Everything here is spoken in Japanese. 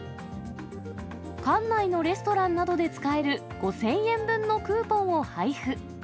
館内のレストランなどで使える５０００円分のクーポンを配布。